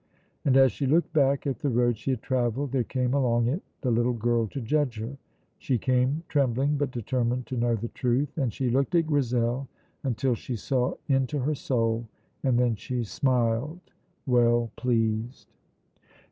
And as she looked back at the road she had travelled, there came along it the little girl to judge her. She came trembling, but determined to know the truth, and she looked at Grizel until she saw into her soul, and then she smiled, well pleased.